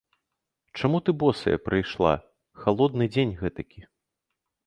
Чаму ты босая прыйшла, халодны дзень гэтакі?